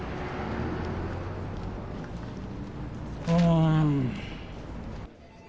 うん。